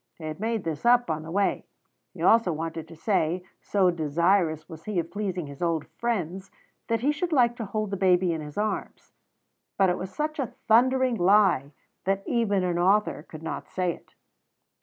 He had made this up on the way. He also wanted to say, so desirous was he of pleasing his old friends, that he should like to hold the baby in his arms; but it was such a thundering lie that even an author could not say it.